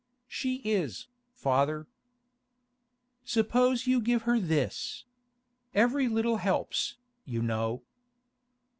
'She is, father.' 'Suppose you give her this! Every little helps, you know.